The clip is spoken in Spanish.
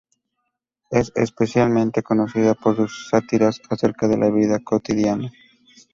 Es especialmente conocida por sus sátiras acerca de la vida cotidiana.